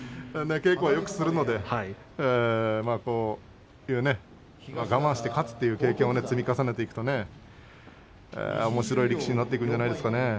稽古はよくするので我慢して勝つという経験を積み重ねていくとおもしろい力士になっていくんじゃないですかね。